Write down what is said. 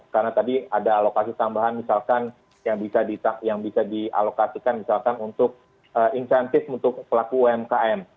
karena tadi ada alokasi tambahan misalkan yang bisa dialokasikan misalkan untuk incentive untuk pelaku umkm